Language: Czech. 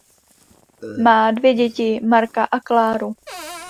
Má dvě děti Marka a Kláru.